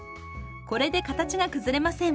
これで形が崩れません。